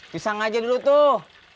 pisang aja dulu tuh